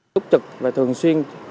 túc trực và thường xuyên